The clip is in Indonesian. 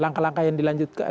langkah langkah yang dilakukan